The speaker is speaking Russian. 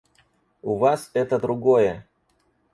У вас это другое.